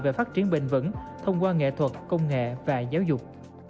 về phát triển bền vững thông qua nghệ thuật công nghệ và giáo dục